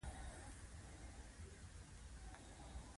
انار د میوو پاچا بلل کېږي.